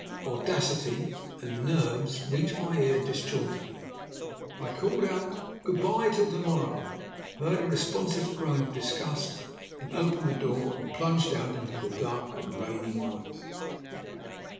"audacity!" and "nerves!" reached my ear disjointedly. I called out "Good by! till to morrow;" heard a responsive groan of disgust; then opened the front door, and plunged out into the dark and rainy night.